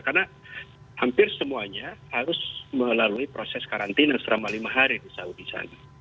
karena hampir semuanya harus melalui proses karantina selama lima hari di saudi sana